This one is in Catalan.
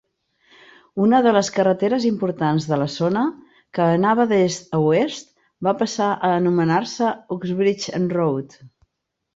Una de les carreteres importants de la zona, que anava d'est a oest, va passar a anomenar-se Uxbridge Road.